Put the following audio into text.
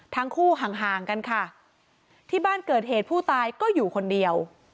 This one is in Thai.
ทั้งคู่ห่างห่างกันค่ะที่บ้านเกิดเหตุผู้ตายก็อยู่คนเดียว